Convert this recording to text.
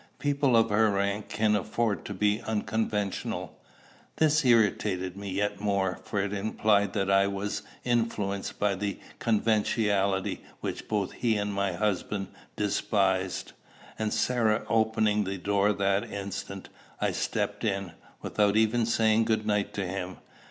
People of her rank can afford to be unconventional." This irritated me yet more, for it implied that I was influenced by the conventionality which both he and my husband despised; and Sarah opening the door that instant, I stepped in, without even saying good night to him.